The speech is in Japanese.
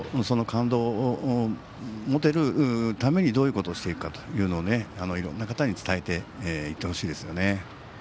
その感動を持てるためにどういうことをしていくかというのをいろんな方に伝えていってほしいですよね。